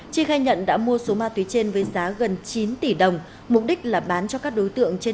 chi khai nhận đã mua số ma túy trên với giá gần chín tỷ đồng mục đích là bán cho các đối tượng trên